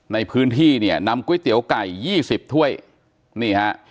ในพื้นที่เนี่ยนำก๋วยเตี๋ยวไก่ยี่สิบถ้วยนี่ฮะ